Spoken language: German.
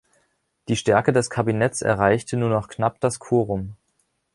Die Stärke des Kabinetts erreichte nun nur noch knapp das Quorum.